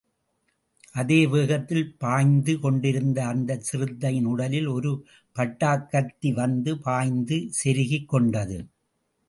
அதே வேகத்தில், பாய்ந்து கொண்டிருந்த அந்தச் சிறுத்தையின் உடலில் ஒரு பட்டாக்கத்தி வந்து பாய்ந்து செருகிக் கொண்டது.